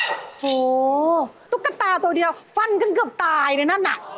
โอ้โหตุ๊กตาตัวเดียวฟันกันเกือบตายเลยนั่นน่ะ